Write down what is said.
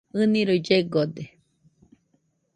ɨniroi llegode.